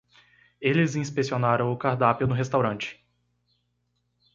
Eles inspecionaram o cardápio no restaurante.